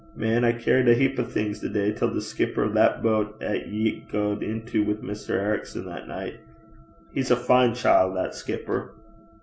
Man, I cairriet a heap o' things the day till the skipper o' that boat 'at ye gaed intil wi' Maister Ericson the nicht. He's a fine chiel' that skipper!'